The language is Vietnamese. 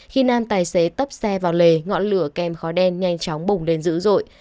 khi nam tài xế tấp xe vào lề ngọn lửa kèm khói đen nhanh chóng bùng lên dữ dội